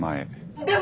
「でも」。